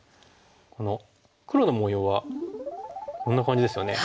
この黒の模様はこんな感じですよね。